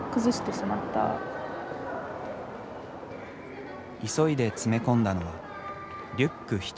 急いで詰め込んだのはリュック１つ分の荷物。